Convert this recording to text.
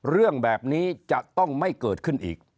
เรื่องแบบนี้จะต้องไม่เกิดขึ้นอีก